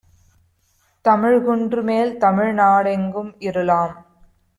தமிழ்குன்று மேல்தமிழ் நாடெங்கும் இருளாம்